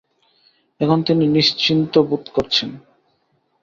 এখন তিনি নিশ্চিন্তু বোধ করছেন।